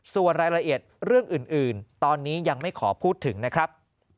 ส่วนรายละเอียดเรื่องอื่นตอนนี้ยังไม่ขอพูดถึงนะครับ